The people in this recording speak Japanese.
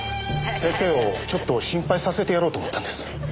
先生をちょっと心配させてやろうと思ったんです。